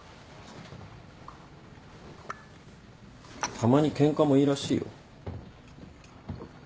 たまにケンカもいいらしいよ。